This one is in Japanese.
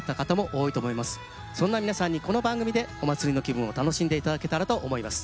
そんな皆さんにこの番組でお祭りの気分を楽しんで頂けたらと思います。